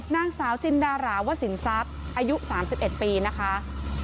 นางสาวจินดาราวสินทรัพย์อายุ๓๑ปีนะคะ